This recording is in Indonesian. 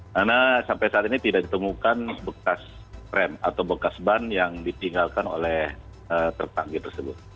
karena sampai saat ini tidak ditemukan bekas rem atau bekas ban yang ditinggalkan oleh tertanggi tersebut